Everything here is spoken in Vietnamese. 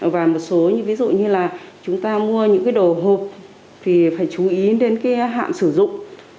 và một số những ví dụ như là chúng ta mua những cái đồ hộp thì phải chú ý đến cái hạn sử dụng